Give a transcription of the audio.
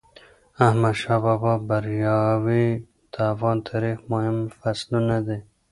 د احمدشاه بابا بریاوي د افغان تاریخ مهم فصلونه دي.